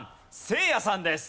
せいやさんです。